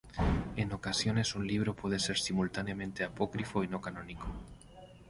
En ocasiones un libro puede ser simultáneamente apócrifo y no canónico.